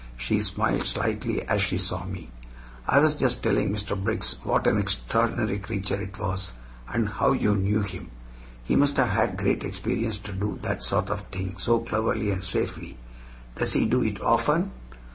She smiled slightly as she saw me. "I was just telling Mr. Briggs what an extraordinary creature it was, and how you knew him. He must have had great experience to do that sort of thing so cleverly and safely. Does he do it often?